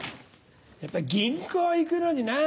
やっぱ銀行行くのになぁ